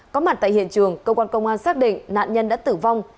có mặt tại hiện trường cơ quan công an xác định nạn nhân đã tử vong